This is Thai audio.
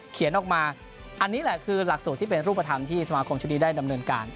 ออกมาอันนี้แหละคือหลักสูตรที่เป็นรูปธรรมที่สมาคมชุดนี้ได้ดำเนินการ